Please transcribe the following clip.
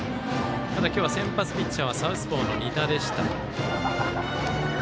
ただ、今日は先発ピッチャーはサウスポーの仁田でした。